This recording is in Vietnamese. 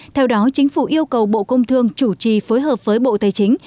theo đó chính phủ yêu cầu bộ công thương chủ trì phối hợp với bộ tài chính